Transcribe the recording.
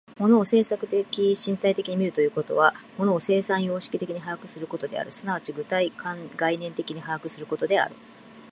物を制作的身体的に見るということは、物を生産様式的に把握することである、即ち具体概念的に把握することである。